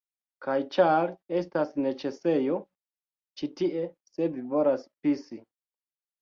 Kaj ĉar... estas neĉesejo ĉi tie se vi volas pisi